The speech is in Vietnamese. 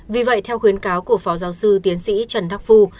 vì vậy theo khuyến cáo của phó giáo sư tiến sĩ trần đắc phu